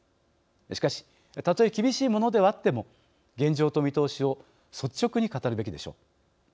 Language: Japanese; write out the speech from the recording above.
しかし、たとえ厳しいものではあっても現状と見通しを率直に語るべきでしょう。